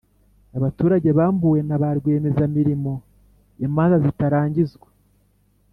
abaturage bambuwe na ba rwiyemezamirimo imanza zitarangizwa,